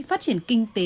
phát triển kinh tế